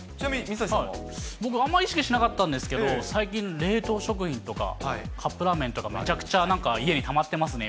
僕、あんまり意識しなかったんですけど、最近、冷凍食品とか、カップラーメンとか、むちゃくちゃなんか家にたまってますね。